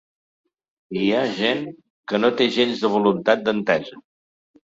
I hi ha gent que no té gens de voluntat d’entesa.